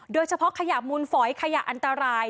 โดยเฉพาะขยะมูลฝอยขยะอันตราย